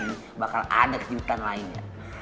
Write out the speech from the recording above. ini bakal ada kejutan lainnya